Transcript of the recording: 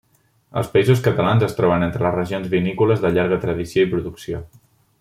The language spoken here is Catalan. Els Països Catalans es troben entre les regions vinícoles de llarga tradició i producció.